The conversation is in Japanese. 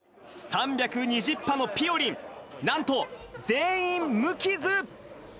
３２０羽のぴよりん、なんと、全員無傷！